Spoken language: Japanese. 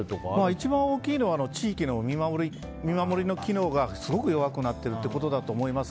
一番大きいのは地域の見守りの機能がすごく弱くなっているということだと思います。